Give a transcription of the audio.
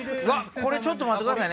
これちょっと待ってくださいね。